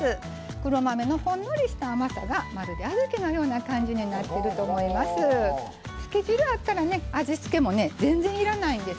黒豆のほんのりした甘さがまるで小豆のような感じになってると思います。